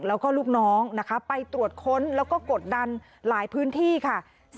แล้วก็ลูกน้องนะคะไปตรวจค้นแล้วก็กดดันหลายพื้นที่ค่ะ